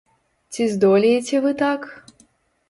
Ці здолееце вы так?